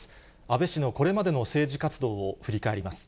安倍氏のこれまでの政治活動を振り返ります。